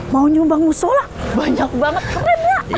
mau nyumbang musola banyak banget keren ya